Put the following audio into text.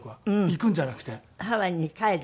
ハワイに帰る？